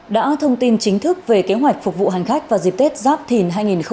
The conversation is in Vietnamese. đã thông tin chính thức về kế hoạch phục vụ hành khách vào dịp tết giáp thìn hai nghìn hai mươi bốn